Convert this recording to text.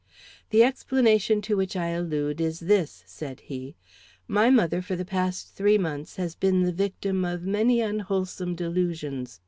"The explanation to which I allude is this," said he. "My mother for the past three months has been the victim of many unwholesome delusions.